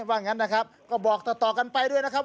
ว่างั้นนะครับก็บอกต่อกันไปด้วยนะครับ